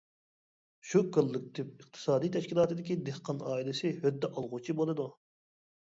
شۇ كوللېكتىپ ئىقتىسادىي تەشكىلاتىدىكى دېھقان ئائىلىسى ھۆددە ئالغۇچى بولىدۇ.